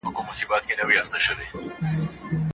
ولي ځیني کسان په اسانۍ سره له خپلو موخو تېرېږي؟